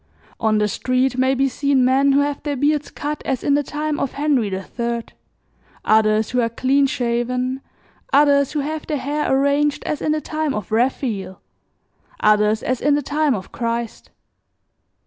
On the street may be seen men who have their beards cut as in the time of Henry III, others who are clean shaven, others who have their hair arranged as in the time of Raphael, others as in the time of Christ.